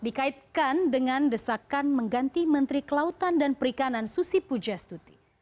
dikaitkan dengan desakan mengganti menteri kelautan dan perikanan susi pujastuti